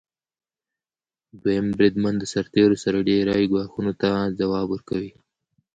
دویم بریدمن د سرتیرو سره ډیری ګواښونو ته ځواب ورکوي.